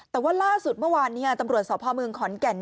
แต่ว่าล่าสุดเมื่อวานนี้ตำรวจสพเมืองขอนแก่น